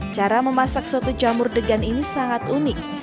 cara memasak soto jamur degan ini sangat unik